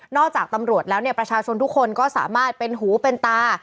จากตำรวจแล้วเนี่ยประชาชนทุกคนก็สามารถเป็นหูเป็นตา